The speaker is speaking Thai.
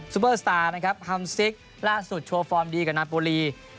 เบอร์สตาร์นะครับฮัมซิกล่าสุดโชว์ฟอร์มดีกับนาโปรี